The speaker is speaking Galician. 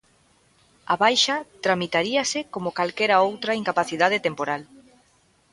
A baixa tramitaríase como calquera outra incapacidade temporal.